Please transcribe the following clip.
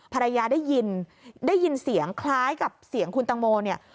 ภรรยาได้ยินได้ยินเสียงคล้ายกับเสียงคุณตังโมเนี่ย